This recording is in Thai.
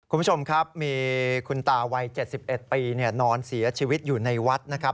คุณผู้ชมครับมีคุณตาวัย๗๑ปีนอนเสียชีวิตอยู่ในวัดนะครับ